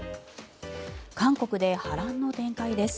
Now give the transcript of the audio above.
韓国で波乱の展開です。